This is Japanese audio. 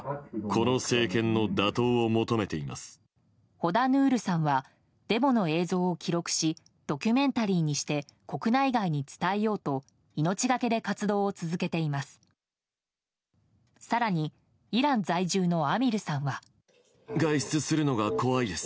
ホダ・ヌールさんはデモの映像を記録しドキュメンタリーにして国内外に伝えようと命がけで活動を続けています。